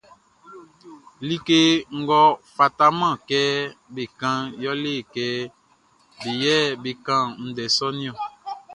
Like ngʼɔ fataman kɛ be kanʼn yɛle kɛ be yɛ be kan ndɛ sɔʼn niɔn.